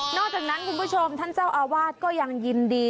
อกจากนั้นคุณผู้ชมท่านเจ้าอาวาสก็ยังยินดี